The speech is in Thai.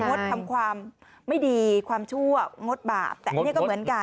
งดทำความไม่ดีความชั่วงดบาปแต่อันนี้ก็เหมือนกัน